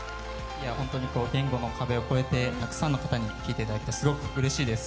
本当に言語の壁を超えてたくさんの方に聴いていただいてすごくうれしいです。